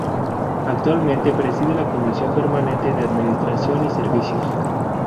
Actualmente preside la Comisión Permanente de Administración y Servicios.